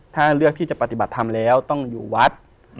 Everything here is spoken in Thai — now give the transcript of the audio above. ถ้าเลือกที่จะปฏิบัติธรรมแล้วต้องอยู่วัด